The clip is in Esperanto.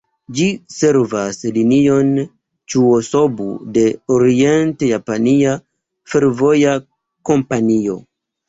Ĝi servas Linion Ĉuo-Sobu de Orient-Japania Fervoja Kompanio.